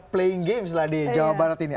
playing games lah di jawa barat ini